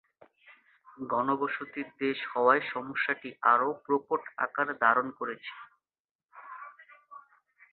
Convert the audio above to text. ঘনবসতির দেশ হওয়ায় সমস্যাটি আরও প্রকট আকার ধারণ করেছে।